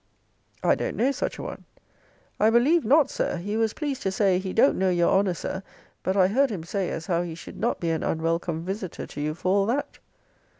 I don't know such a one. I believe not, Sir. He was pleased to say, he don't know your honor, Sir; but I heard him say as how he should not be an unwelcome visiter to you for all that.